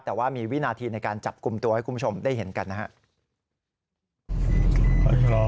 แต่ว่ามีวินาทีในการจับกลุ่มตัวให้คุณผู้ชมได้เห็นกันนะครับ